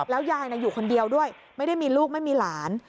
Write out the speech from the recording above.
ยายอยู่คนเดียวด้วยไม่ได้มีลูกไม่มีหลาน